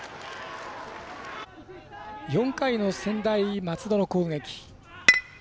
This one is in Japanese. ４回の専大松戸の攻撃。